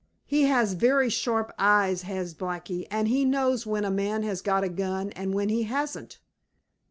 He has very sharp eyes, has Blacky, and he knows when a man has got a gun and when he hasn't.